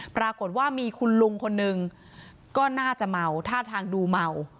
ปรากฏว่ามีคุณลุงคนนึงก็น่าจะเมาท่าทางดูเมา